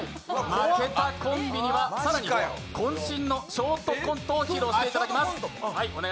負けたコンビには、更にこん身のショートコントを披露していただきます。